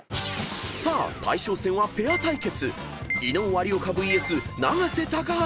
［さあ大将戦はペア対決］